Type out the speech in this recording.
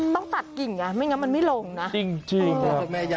ต้องตัดกิ่งไงไม่งั้นมันไม่ลงนะจริงจริงครับแม่ใยครับ